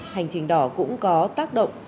hành trình đỏ cũng có tác động